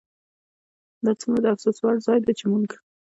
دا څومره د افسوس وړ ځای دی چې موږ